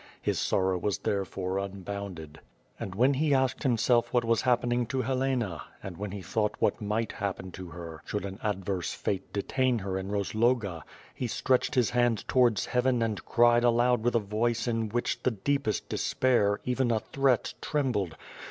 His sorrow was therefore unbounded. And when he asked himself what was happening to Helena, and when he thought what might happen to her, should an adverse fate detain her in Rozloga, he stretched his hands towards Heaven and cried aloud with a voice in which the deepest despair, even a threat, trembled.